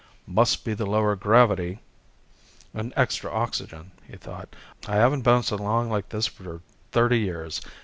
Must be the lower gravity and extra oxygen, he thought. _I haven't bounced along like this for thirty years.